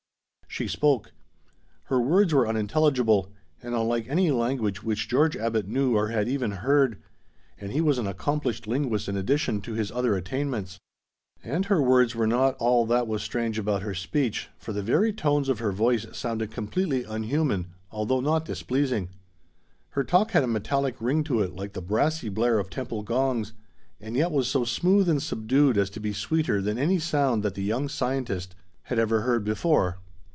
She spoke. Her words were unintelligible, and unlike any language which George Abbot knew or had even heard; and he was an accomplished linguist in addition to his other attainments. And her words were not all that was strange about her speech, for the very tones of her voice sounded completely unhuman, although not displeasing. Her talk had a metallic ring to it, like the brassy blare of temple gongs, and yet was so smooth and subdued as to be sweeter than any sound that the young scientist had ever heard before.